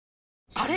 あれ？